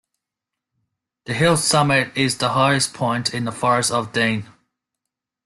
The hill's summit is the highest point in the Forest of Dean.